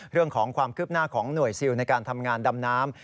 เรื่องของความคืบหน้าของหน่วยซิลในการทำงานดำน้ำ